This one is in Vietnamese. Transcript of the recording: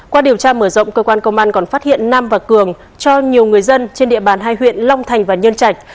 qua điều tra mở rộng cơ quan công an còn phát hiện nam và cường cho nhiều người dân trên địa bàn hai huyện long thành và nhân trạch